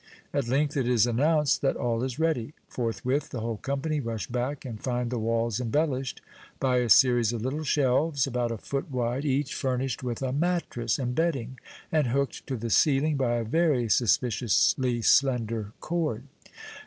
At length it is announced that all is ready. Forthwith the whole company rush back, and find the walls embellished by a series of little shelves, about a foot wide, each furnished with a mattress and bedding, and hooked to the ceiling by a very suspiciously slender cord.